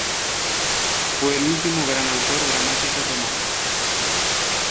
Fue el último gran autor dramático romano.